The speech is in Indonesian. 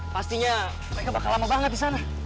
pastinya mereka bakal lama banget di sana